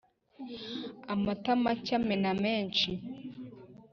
Amata make amena menshi.